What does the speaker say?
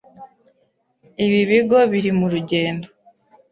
Ibi bigo biri mu rugendo